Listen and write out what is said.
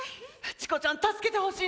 チコちゃん助けてほしいんだ！